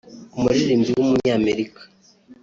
umuririmbyi w’umunyamerika